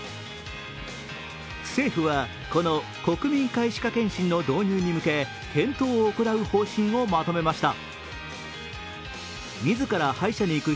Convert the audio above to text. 政府は、この国民皆歯科検診の導入に向け検討を行う方針をまとめました。